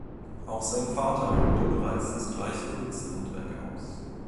Auch sein Vater übte bereits das gleiche Kunsthandwerk aus.